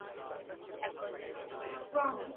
একপর্যায়ে আসামির কাঠগড়ায় থাকা মুজাহিদ কেঁদে ফেলেন।